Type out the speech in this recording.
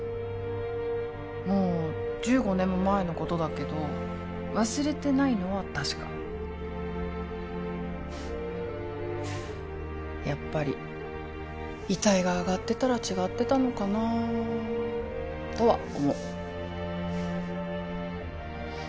もう１５年も前のことだけど忘れてないのは確かやっぱり遺体があがってたら違ってたのかなあとは思う